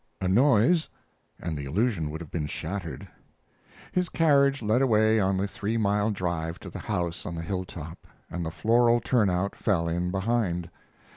A noise, and the illusion would have been shattered. His carriage led away on the three mile drive to the house on the hilltop, and the floral turnout fell in behind.